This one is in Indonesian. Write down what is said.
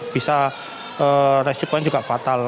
bisa resiko yang juga fatal